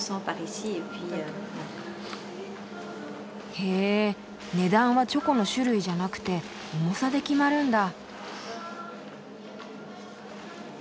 へ値段はチョコの種類じゃなくて重さで決まるんだ。